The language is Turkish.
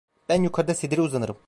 Ben yukarıda sedire uzanırım!